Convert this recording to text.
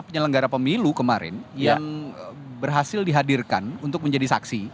penyelenggara pemilu kemarin yang berhasil dihadirkan untuk menjadi saksi